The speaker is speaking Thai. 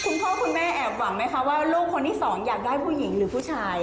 คุณพ่อคุณแม่แอบหวังไหมคะว่าลูกคนที่สองอยากได้ผู้หญิงหรือผู้ชาย